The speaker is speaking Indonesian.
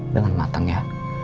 jangan matang ya